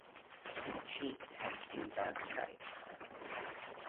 The cheeks have two dark stripes.